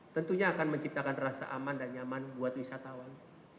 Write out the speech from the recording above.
tentunya akan menciptakan rasa aman dan nyaman buat wisatawan